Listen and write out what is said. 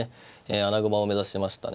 穴熊を目指しましたね。